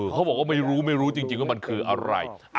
เขาบอกว่าไม่รู้ไม่รู้จริงว่ามันคืออะไร